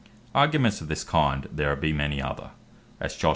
Arguments of this kind there be many other; as Josh.